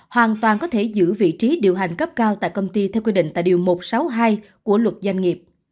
hoàn toàn có thể giữ vị trí điều hành cấp cao tại công ty theo quy định tại điều một trăm sáu mươi hai của luật doanh nghiệp